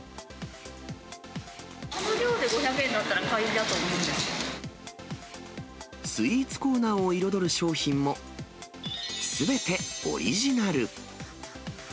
あの量で５００円だったら買スイーツコーナーを彩る商品も、すべてオリジナル。